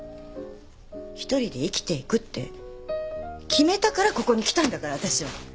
一人で生きていくって決めたからここに来たんだから私は。